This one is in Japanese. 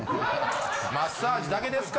マッサージだけですか？